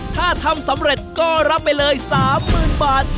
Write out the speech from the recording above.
ถ้าทำสำเร็จก็รับไปเลย๓๐๐๐บาท